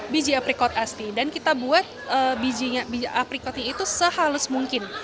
biji aprikot asli dan kita buat biji aprikotnya itu sehalus mungkin